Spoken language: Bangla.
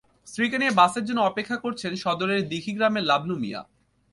স্ত্রীকে নিয়ে বাসের জন্য অপেক্ষা করছেন সদরের দিঘি গ্রামের লাভলু মিয়া।